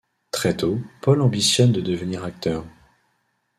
Très tôt, Paul ambitionne de devenir acteur.